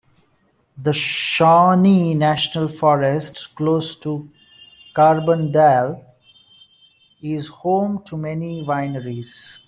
The Shawnee National Forest, close to Carbondale, is home to many wineries.